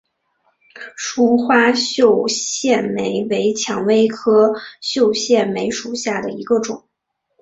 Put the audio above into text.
疏花绣线梅为蔷薇科绣线梅属下的一个种。